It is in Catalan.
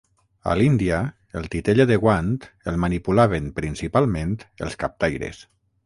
A l'Índia, el titella de guant, el manipulaven -principalment- els captaires.